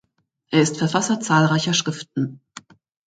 Er ist Verfasser zahlreicher Schriften.